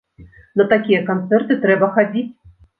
На такія канцэрты трэба хадзіць!